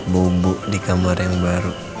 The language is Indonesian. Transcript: bubuk di kamar yang baru